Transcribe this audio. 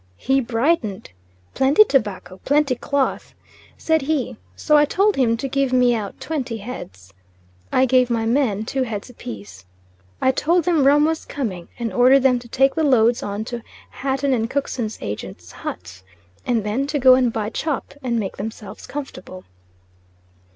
He brightened, "Plenty tobacco, plenty cloth," said he; so I told him to give me out twenty heads. I gave my men two heads apiece. I told them rum was coming, and ordered them to take the loads on to Hatton and Cookson's Agent's hut and then to go and buy chop and make themselves comfortable.